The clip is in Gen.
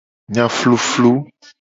Enya fluflu.